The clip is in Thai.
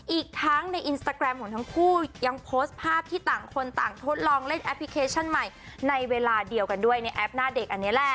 อีกทั้งในอินสตาแกรมของทั้งคู่ยังโพสต์ภาพที่ต่างคนต่างทดลองเล่นแอปพลิเคชันใหม่ในเวลาเดียวกันด้วยในแอปหน้าเด็กอันนี้แหละ